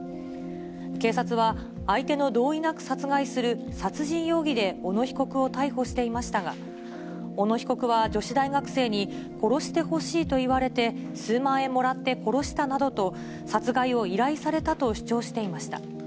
警察は、相手の同意なく殺害する殺人容疑で小野被告を逮捕していましたが、小野被告は女子大学生に、殺してほしいと言われて、数万円もらって殺したなどと、殺害を依頼されたと主張していました。